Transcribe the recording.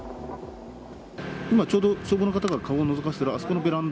今、ちょうど消防の方が顔をのぞかせているあそこのベランダ？